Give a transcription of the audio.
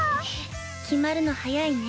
決まるの早いね。